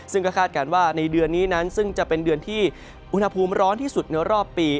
ซึ่งก็คาดการณ์ว่าในเดือนนี้นั้นซึ่งจะเป็นเดือนที่อุณหภูมิร้อนที่สุดในรอบปี